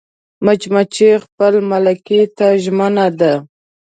مچمچۍ خپل ملکې ته ژمنه ده